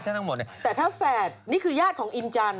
แต่ถ้าแฝดนี่คือญาติของอินจันทร์